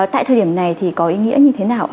tại thời điểm này thì có ý nghĩa như thế nào ạ